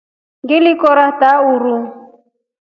Ngili kora taa uruu.